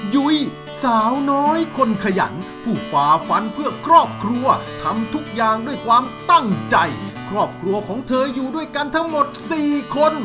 ยุ้ยสาวน้อยคนขยันผู้ฝ่าฟันเพื่อครอบครัวทำทุกอย่างด้วยความตั้งใจครอบครัวของเธออยู่ด้วยกันทั้งหมด๔คน